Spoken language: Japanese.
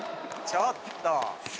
ちょっと！